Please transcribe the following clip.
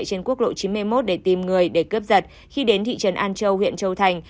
trên quốc lộ chín mươi một để tìm người để cướp giật khi đến thị trấn an châu huyện châu thành